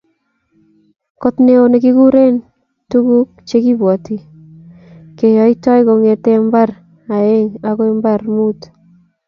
Got neo nekikonore tuguk chekibwoti keyotei kongetkei mbar aengr akoi mbar mut